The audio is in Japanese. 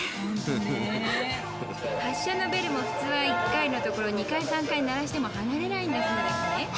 発車のベルも普通は１回のところ、２回、３回鳴らしても離れないんだそうですね。